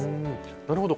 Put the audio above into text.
なるほど。